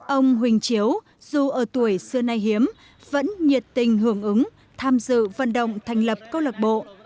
ông huỳnh chiếu dù ở tuổi xưa nay hiếm vẫn nhiệt tình hưởng ứng tham dự vận động thành lập câu lạc bộ